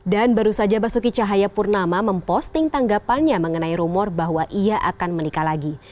baru saja basuki cahayapurnama memposting tanggapannya mengenai rumor bahwa ia akan menikah lagi